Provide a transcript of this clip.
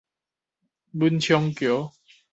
文昌橋